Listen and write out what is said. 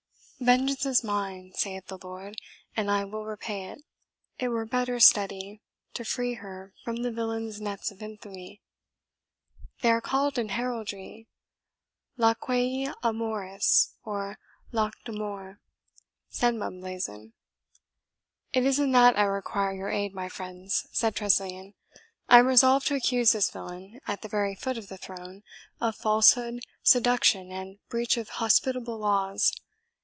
"Vengeance is mine, saith the Lord, and I will repay it. It were better study to free her from the villain's nets of infamy." "They are called, in heraldry, LAQUEI AMORIS, or LACS D'AMOUR," said Mumblazen. "It is in that I require your aid, my friends," said Tressilian. "I am resolved to accuse this villain, at the very foot of the throne, of falsehood, seduction, and breach of hospitable laws.